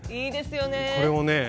これをね